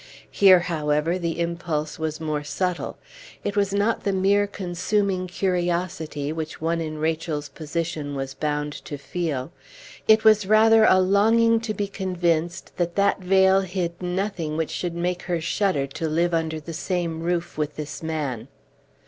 Here, however, the impulse was more subtle; it was not the mere consuming curiosity which one in Rachel's position was bound to feel; it was rather a longing to be convinced that that veil hid nothing which should make her shudder to live under the same roof with this man.